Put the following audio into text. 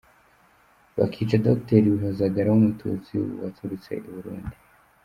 Bakica Docteur Bihozagara w’umututsi waturutse i Burundi.